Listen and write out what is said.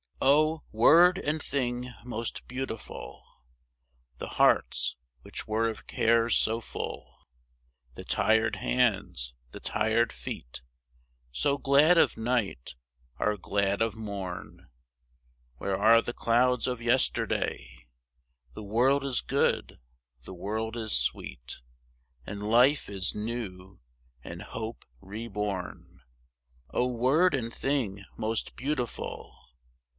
O, word and thing most beautiful! The hearts, which were of cares so full, The tired hands, the tired feet, So glad of night, are glad of morn, Where are the clouds of yesterday? The world is good, the world is sweet, And life is new and hope re born. O, word and thing most beautiful!